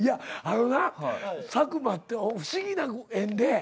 あのな佐久間って不思議な縁で。